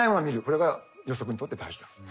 これが予測にとって大事だろうと。